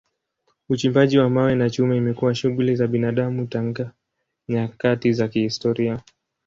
Uchimbaji wa mawe na chuma imekuwa shughuli za binadamu tangu nyakati za kihistoria.